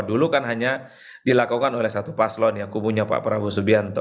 dulu kan hanya dilakukan oleh satu paslon yang kubunya pak prabowo subianto